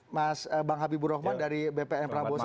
mas bang habibur rahman dari bpn prabowo sandi